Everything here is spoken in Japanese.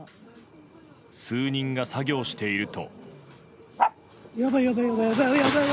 数人が作業していると。